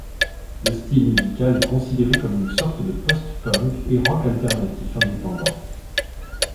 Le style musical est considéré comme une sorte de post-punk et rock alternatif indépendant.